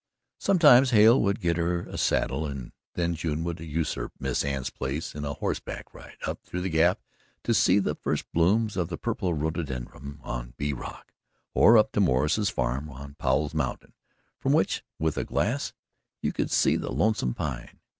Sometimes Hale would get her a saddle, and then June would usurp Miss Anne's place on a horseback ride up through the gap to see the first blooms of the purple rhododendron on Bee Rock, or up to Morris's farm on Powell's mountain, from which, with a glass, they could see the Lonesome Pine.